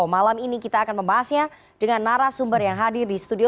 malam ini kita akan membahasnya dengan narasumber yang hadir di studio